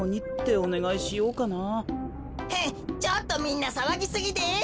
ちょっとみんなさわぎすぎです！